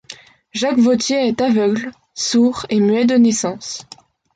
Jacques Vauthier est aveugle, sourd et muet de naissance.